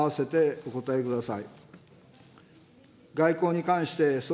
お答えください。